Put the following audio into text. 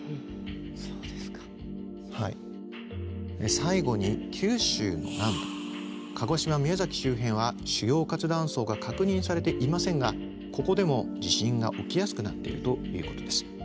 最後に九州の南部鹿児島宮崎周辺は主要活断層が確認されていませんがここでも地震が起きやすくなっているということです。